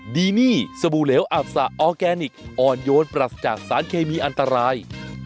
ดีนี่สบู่เหลวอับสะออร์แกนิคอ่อนโยนปรัสจากสารเคมีอันตราย